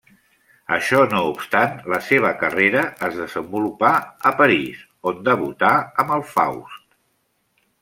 Això no obstant, la seva carrera es desenvolupà a París, on debutà amb el Faust.